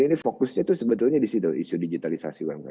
jadi fokusnya itu sebetulnya di situ isu digitalisasi umkm